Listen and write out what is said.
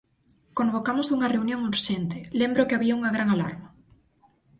Convocamos unha reunión urxente, lembro que había unha gran alarma.